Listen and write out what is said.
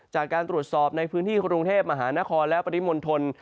จากการตรวจสอบในพื้นที่กรุงเทพมหานครและปริมณฑล